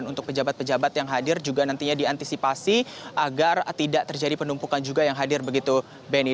untuk pejabat pejabat yang hadir juga nantinya diantisipasi agar tidak terjadi penumpukan juga yang hadir begitu beni